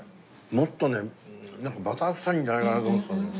もっとねバターくさいんじゃないかなと思ってたの。